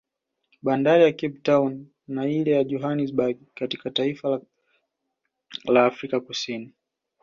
Bandari ya Cape town na ile ya Johanesberg katika taifa ka Afrika Kusini